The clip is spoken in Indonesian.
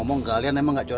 odotan lu sampe koq